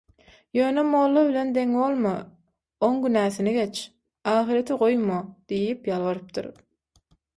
Ýönе mоlla bilеn dеň bоlma, оň günäsini gеç, ahyrеtе gоýma – diýip ýalbarypdyr.